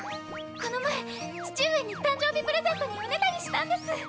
この前父上に誕生日プレゼントにおねだりしたんです。